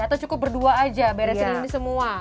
atau cukup berdua aja beresin ini semua